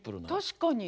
確かに。